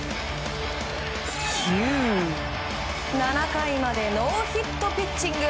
７回までノーヒットピッチング。